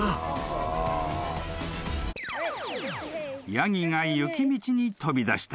［ヤギが雪道に飛び出した］